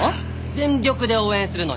全力で応援するのに！